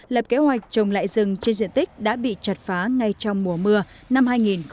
lập kế hoạch trồng lại rừng trên diện tích đã bị chặt phá ngay trong mùa mưa năm hai nghìn một mươi chín